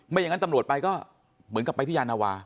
อย่างนั้นตำรวจไปก็เหมือนกับไปที่ยานวา